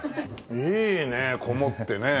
いいねえこもってね。